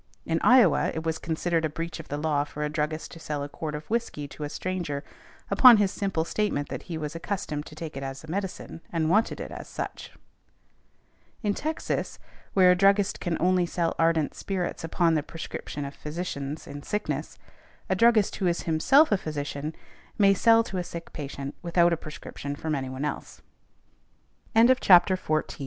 In Iowa it was considered a breach of the law for a druggist to sell a quart of whiskey to a stranger upon his simple statement that he was accustomed to take it as a medicine and wanted it as such . In Texas, where a druggist can only sell ardent spirits upon the prescription of physicians in sickness, a druggist who is himself a physician may sell to a sick patient without a pres